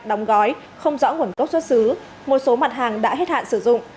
đóng gói không rõ nguồn gốc xuất xứ một số mặt hàng đã hết hạn sử dụng